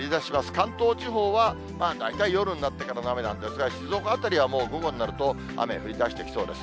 関東地方は大体、夜になってからの雨なんですが、静岡辺りは午後になると雨が降りだしてきそうです。